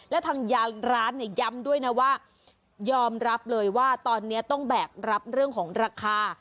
และทางร้านเนี่ยย้ำด้วยนะว่ายอมรับเลยว่าตอนนี้ต้องแบกรับเรื่องของราคา